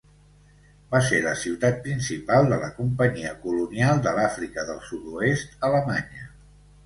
Va ser la ciutat principal de la Companyia Colonial de l'Àfrica del Sud-oest Alemanya.